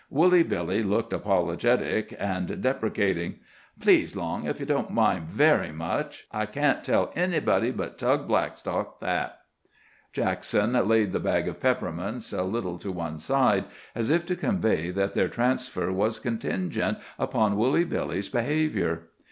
Woolly Billy looked apologetic and deprecating. "Please, Long, if you don't mind very much, I can't tell anybody but Tug Blackstock that." Jackson laid the bag of peppermints a little to one side, as if to convey that their transfer was contingent upon Woolly Billy's behaviour.